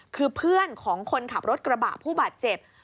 คือเพื่อนของคนขับรถกระบะผู้บาดเจ็บ